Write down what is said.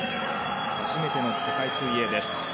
初めての世界水泳です。